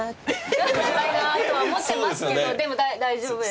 ちょっと見づらいなとは思ってますけどでも大丈夫です。